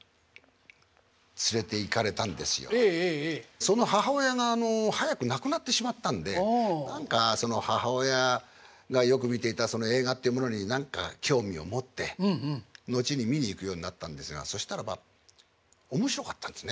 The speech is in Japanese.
その母親が早く亡くなってしまったんで何かその母親がよく見ていたその映画っていうものに何か興味を持って後に見に行くようになったんですがそしたらば面白かったんですね